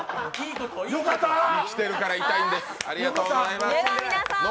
生きてるから痛いんです。